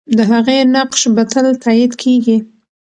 د هغې نقش به تل تایید کېږي.